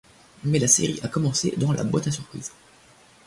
Mais la série a commencé dans La Boîte à Surprise.